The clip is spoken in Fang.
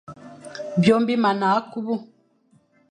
Byôm bi mana kuba.